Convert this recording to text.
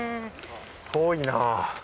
遠いな。